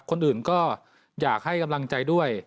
คนอื่นก็อยากให้กำลังใจด้วย